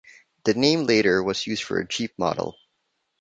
The name later was used for a Jeep model.